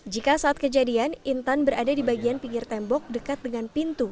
jika saat kejadian intan berada di bagian pinggir tembok dekat dengan pintu